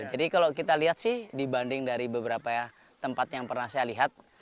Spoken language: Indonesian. jadi kalau kita lihat sih dibanding dari beberapa tempat yang pernah saya lihat